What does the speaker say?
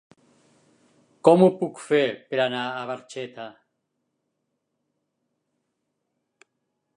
Com ho puc fer per anar a Barxeta?